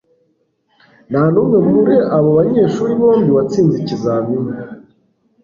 Nta n'umwe muri abo banyeshuri bombi watsinze ikizamini.